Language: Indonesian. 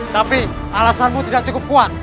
tapi alasanmu tidak cukup kuat